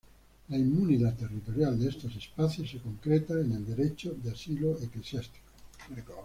La inmunidad territorial de estos espacios se concretaba en el derecho de asilo eclesiástico.